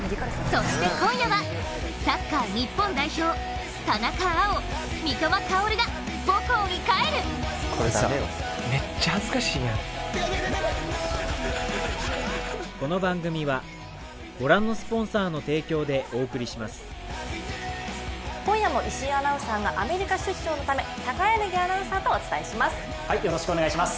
そして今夜はサッカー日本代表、田中碧、三笘薫が今夜も石井アナウンサーがアメリカ出張のため高柳アナウンサーとお伝えします。